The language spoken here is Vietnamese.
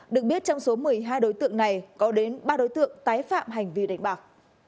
được biết trong số một mươi hai đối tượng này có đến ba đối tượng tái phạm hành vi đánh bạc